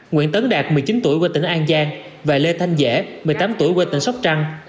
nguyễn tấn đạt một mươi chín tuổi quê tỉnh an giang và lê thanh dễ một mươi tám tuổi quê tỉnh sóc trăng